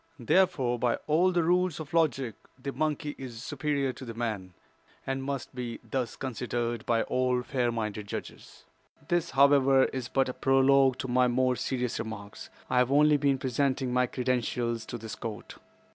Therefore, by all the rules of logic, the monkey is superior to the man, and must be thus considered by all fair minded judges. "This, however, is but a prologue to my more serious remarks. I have only been presenting my credentials to this court.